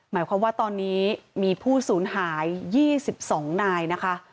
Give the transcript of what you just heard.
หมายความว่าตอนนี้มีผู้สูญหาย๒๒นายนะคะ